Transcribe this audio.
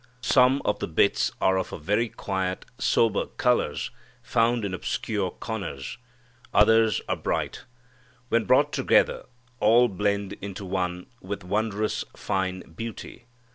Some of the bits are of very quiet sober colors found in obscure corners. Others are bright. When brought together all blend into one with wondrous, fine beauty.